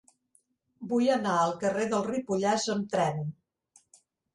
Vull anar al carrer del Ripollès amb tren.